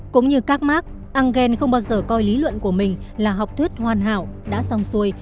cũng như các mark engel không bao giờ coi lý luận của mình là học thuyết hoàn hảo đã xong xuôi